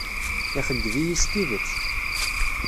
Ixeyyeb-iyi s tidet.